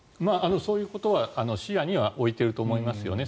そういうことは視野には置いていると思いますよね。